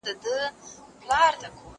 زه به سينه سپين کړی وي!؟